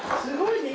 すごい！